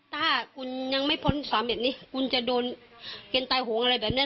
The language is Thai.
ถ้าคุณยังไม่พ้น๓๑นี้คุณจะโดนเกณฑ์ตายโหงอะไรแบบนี้